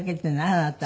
あなた。